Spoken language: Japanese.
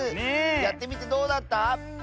やってみてどうだった？